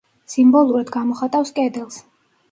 სიმბოლურად გამოხატავს კედელს.